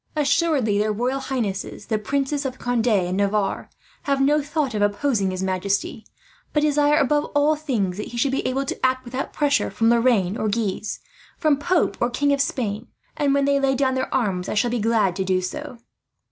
Assuredly their royal highnesses, the Princes of Conde and Navarre, have no thought of opposing his majesty; but desire, above all things, that he should be able to act without pressure from Lorraine or Guise, from pope or King of Spain; and when they lay down their arms, I shall be glad to do so.